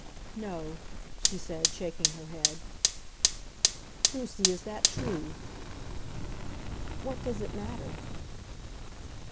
"No," she said, shaking her head. "Lucy, is that true?" "What does it matter?"